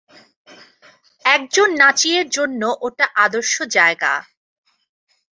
একজন নাচিয়ের জন্য ওটা আদর্শ জায়গা।